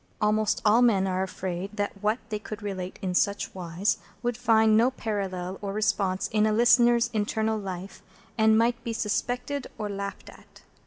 Almost all men are afraid that what they could relate in such wise would find no parallel or response in a listener's internal life, and might be suspected or laughed at.